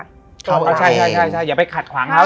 ก็ใช่อย่าไปขัดขวางเขา